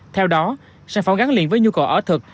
theo đó sản phẩm gắn liền với nhu cầu ở thực